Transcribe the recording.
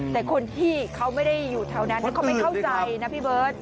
แต่คนที่เขาไม่ได้อยู่แถวนั้นเขาไม่เข้าใจนะพี่เบิร์ต